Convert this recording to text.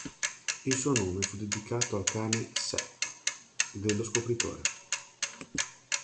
Il suo nome fu dedicato al cane "Sepp" dello scopritore.